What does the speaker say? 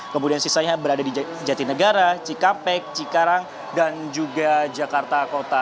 kemudian sisanya berada di jatinegara cikampek cikarang dan juga jakarta kota